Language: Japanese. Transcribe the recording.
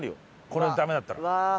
これダメだったら。